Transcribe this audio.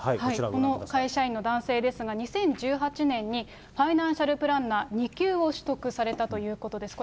この会社員の男性ですが、２０１８年にファイナンシャルプランナー２級を取得されたということです。